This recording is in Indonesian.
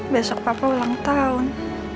besok papa ulang tahun